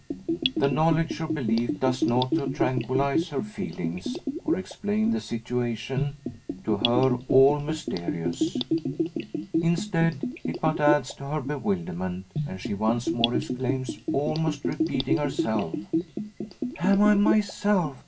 The knowledge, or belief, does nought to tranquillise her feelings or explain the situation, to her all mysterious. Instead, it but adds to her bewilderment, and she once more exclaims, almost repeating herself: "Am I myself?